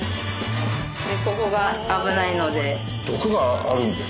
ここが危ないので。